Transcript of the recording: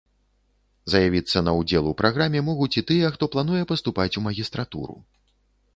Заявіцца на ўдзел у праграме могуць і тыя, хто плануе паступаць у магістратуру.